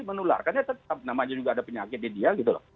menularkannya tetap namanya juga ada penyakit di dia